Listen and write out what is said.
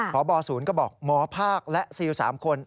พบศูนย์ก็บอกหมอภาคและซิล๓คน